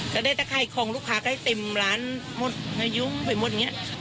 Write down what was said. ก็ได้เท่าไหร่ของลูกค้าใกล้เต็มร้านหมดให้ยุ่งไปหมดอย่างเงี้ย